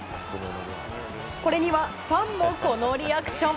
これにはファンもこのリアクション。